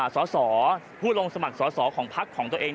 สอสอผู้ลงสมัครสอสอของพักของตัวเอง